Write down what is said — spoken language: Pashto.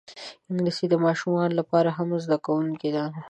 انګلیسي د ماشومانو لپاره هم زده کېدونکی ده